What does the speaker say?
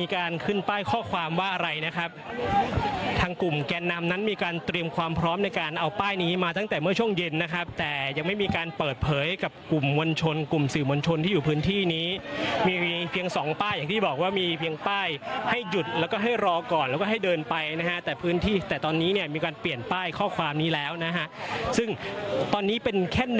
มีการขึ้นป้ายข้อความว่าอะไรนะครับทางกลุ่มแกนนำนั้นมีการเตรียมความพร้อมในการเอาป้ายนี้มาตั้งแต่เมื่อช่วงเย็นนะครับแต่ยังไม่มีการเปิดเผยกับกลุ่มมวลชนกลุ่มสื่อมวลชนที่อยู่พื้นที่นี้มีเพียงสองป้ายอย่างที่บอกว่ามีเพียงป้ายให้หยุดแล้วก็ให้รอก่อนแล้วก็ให้เดินไปนะฮะแต่พื้นที่แต่ตอนนี้เนี่ยมีการเปลี่ยนป้ายข้อความนี้แล้วนะฮะซึ่งตอนนี้เป็นแค่๑